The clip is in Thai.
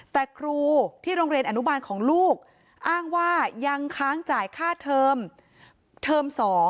แต่ครูที่โรงเรียนอนุบาลของลูกอ้างว่ายังค้างจ่ายค่าเทอมเทอม๒